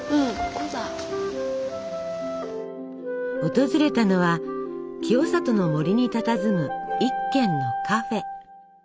訪れたのは清里の森にたたずむ一軒のカフェ。